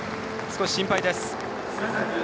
少し心配です。